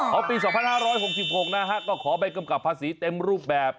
ปี๒๕๖๖นะฮะก็ขอใบกำกับภาษีเต็มรูปแบบ